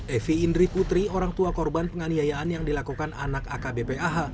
evi indri putri orang tua korban penganiayaan yang dilakukan anak akbp ah